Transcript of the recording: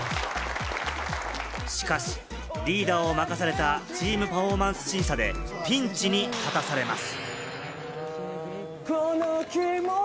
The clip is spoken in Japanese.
しかし、リーダーを任されたチーム・パフォーマンス審査で、ピンチに立たされます。